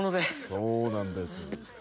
そうなんです。